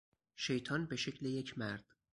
شیطان به شکل یک مرد